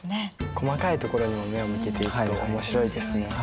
細かいところにも目を向けていくと面白いですね。ね？